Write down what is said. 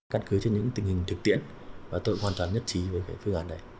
căn cứ trên những tình hình thực tiễn và tôi hoàn toàn nhất trí với cái dự án này